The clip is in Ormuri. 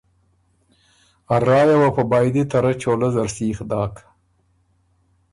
ا رایه وه په بائدی ته رۀ چولۀ زر سیخ داک